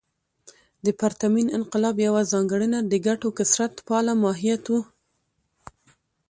د پرتمین انقلاب یوه ځانګړنه د ګټو کثرت پاله ماهیت و.